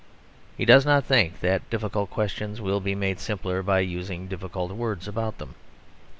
He does not think that difficult questions will be made simpler by using difficult words about them.